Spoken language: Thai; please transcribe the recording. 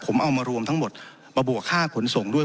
ผมเอามารวมทั้งหมดมาบวกค่าขนส่งด้วย